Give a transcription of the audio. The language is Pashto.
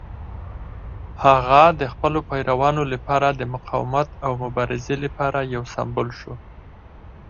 هغه د خپلو پیروانو لپاره د مقاومت او مبارزې لپاره یو سمبول شو.